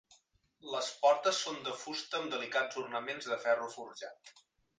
Les portes són de fusta amb delicats ornaments de ferro forjat.